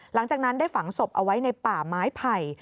หลังจากนั้นได้ฝังศพเอาไว้ในป่าไม้ไผ่